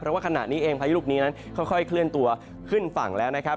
เพราะว่าขณะนี้เองพายุลูกนี้นั้นค่อยเคลื่อนตัวขึ้นฝั่งแล้วนะครับ